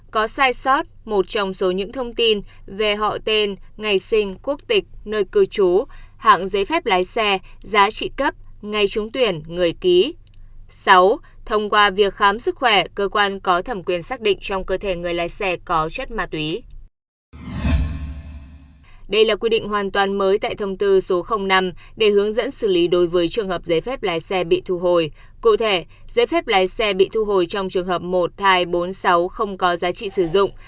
cụ thể giấy phép lái xe bị thu hồi trong trường hợp một hai bốn sáu không có giá trị sử dụng